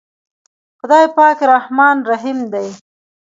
خداے پاک رحمان رحيم دے۔